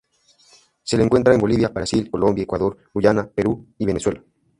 Se lo encuentra en Bolivia, Brasil, Colombia, Ecuador, Guyana, Perú, y Venezuela.